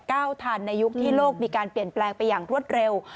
ทันในยุคที่โลกมีการเปลี่ยนแปลงไปอย่างรวดเร็ว